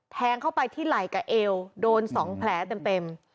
แทงเข้าไปที่ไหล่กับเอวโดน๒แผลเต็ม